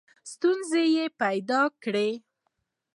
ستونزي پیدا کړې.